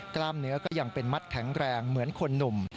กล้ามเนื้อก็ยังเป็นมัดแข็งแรงเหมือนคนหนุ่ม